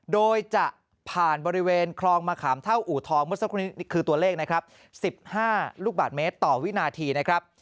โดยจะผ่านบริเวณคลองมะขามเท่าอูทองคือตัวเลข๑๕ลูกบาทเมตรต่อวินาทีนะครับ